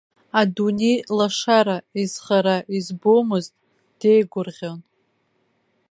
Адунеи лашара изхара избомызт, деигәырӷьон!